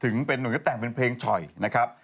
ถึงเป็นวันนี้แตกเป็นเพลงช่อยนะครับ